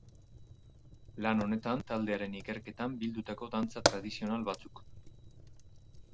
Lan honetan taldearen ikerketan bildutako dantza tradizional batzuk.